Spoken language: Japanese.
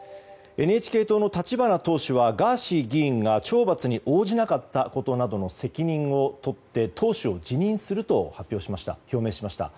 ＮＨＫ党の立花党首はガーシー議員が懲罰に応じなかったことなどの責任を取って党首を辞任すると表明しました。